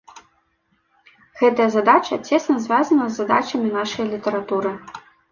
Гэтая задача цесна звязана з задачамі нашае літаратуры.